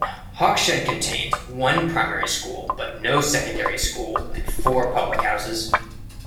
Hawkshead contains one primary school but no secondary school and four public houses.